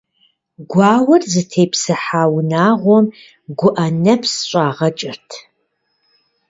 Гуауэр зытепсыха унагъуэм гуӀэ нэпс щӀагъэкӀырт.